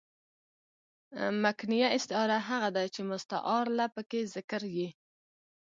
مکنیه استعاره هغه ده، چي مستعارله پکښي ذکر يي.